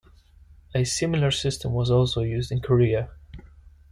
A similar system was also used in Korea.